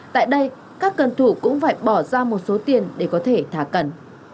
tại đây các cân thủ cũng phải bỏ ra một số tiền để có thể thả cần